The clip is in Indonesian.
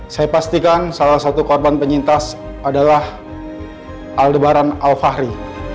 saya pastikan salah satu korban penyintas adalah aldebaran alfahri